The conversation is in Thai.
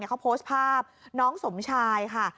เขาโพสต์ภาพน้องสมชายค่ะ